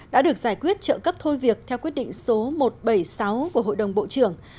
đã được giải quyết trợ cấp thôi việc theo quyết định số một trăm bảy mươi sáu của hội đồng bộ trưởng